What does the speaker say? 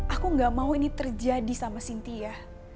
aku gak mau ini terjadi sama sintia